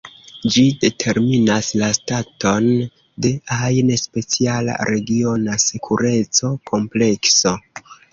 Ĝi determinas la staton de ajn speciala regiona sekureco-komplekso.